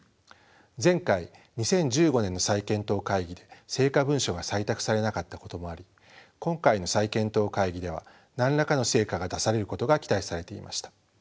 前回２０１５年の再検討会議で成果文書が採択されなかったこともあり今回の再検討会議では何らかの成果が出されることが期待されていました。